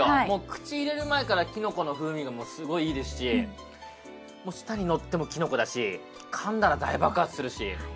もう口入れる前からきのこの風味がすごいいいですし舌にのってもきのこだしかんだら大爆発するし。